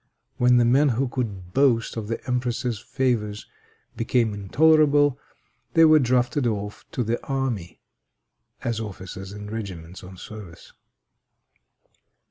When the men who could boast of the empress's favors became intolerable, they were drafted off to the army, as officers in regiments on service.